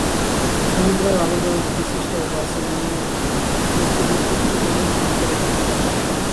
সমুদ্রের আবর্জনা থেকে সৃষ্ট জার্সি বানানোর বস্তুটি প্রস্তুতে মূল ভূমিকা রেখেছে পারলে।